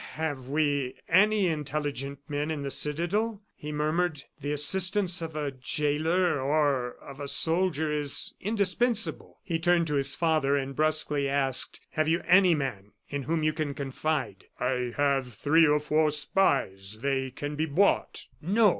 "Have we any intelligent men in the citadel?" he murmured. "The assistance of a jailer or of a soldier is indispensable." He turned to his father, and brusquely asked: "Have you any man in whom you can confide?" "I have three or four spies they can be bought." "No!